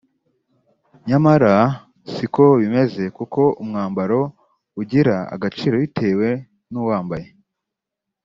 nyamara siko bimeze kuko umwambaro ugira agaciro bitewe n’ uwambaye